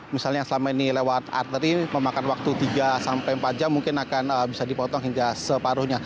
misalnya selama ini lewat arteri memakan waktu tiga sampai empat jam mungkin akan bisa dipotong hingga separuhnya